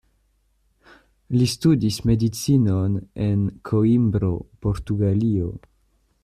Li studis Medicinon en Koimbro, Portugalio.